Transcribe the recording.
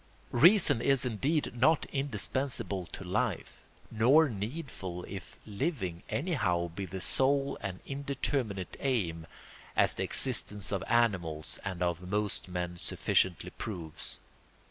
Reason is indeed not indispensable to life, nor needful if living anyhow be the sole and indeterminate aim; as the existence of animals and of most men sufficiently proves.